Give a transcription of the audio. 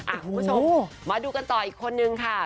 คุณผู้ชมมาดูกันต่ออีกคนนึงค่ะ